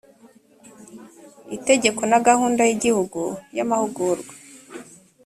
ltegeko na gahunda y igihugu y amahugurwa